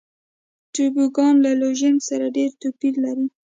توبوګان له لوژینګ سره ډېر توپیر لري.